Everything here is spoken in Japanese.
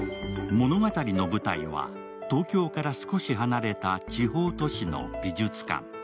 物語の舞台は東京から少し離れた地方都市の美術館。